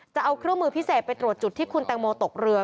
จะเอาเครื่องมือพิเศษไปตรวจจุดที่คุณแตงโมตกเรือ